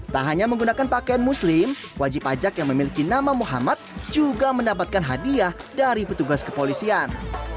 tak hanya menggunakan pakaian muslim wajib pajak yang memiliki nama muhammad juga mendapatkan hadiah dari petugas kepolisian